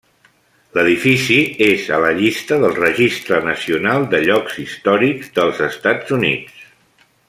L'edifici és a la llista del Registre Nacional de Llocs Històrics dels Estats Units.